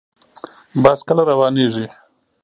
بس کله روانیږي؟